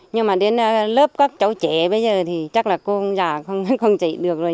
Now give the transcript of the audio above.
nhưng mà đến lớp các cháu trẻ bây giờ thì chắc là cô già không chạy được rồi